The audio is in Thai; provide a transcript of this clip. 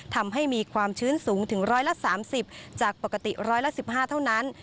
ทำให้มีความชื้นสูงถึง๑๓๐จากปกติร้อยละ๑๕เท่านั้น